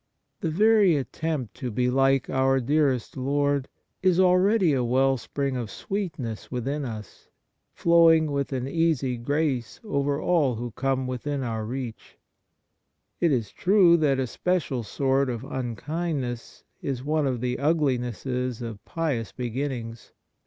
The very attempt to be like our dearest Lord is 74 Kindness already a well spring of sweetness within us, flowing wdth an easy grace over all who come within our reach. It is true that a special sort of unkindness is one of the uglinesses of pious beginnings.